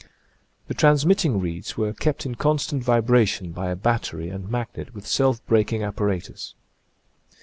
The transmitting reeds were kept in constant vibration by a battery and magnet with self breaking apparatus.